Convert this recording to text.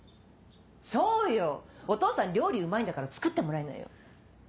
そうよお父さん料理うまいんだから作ってもらいなよ。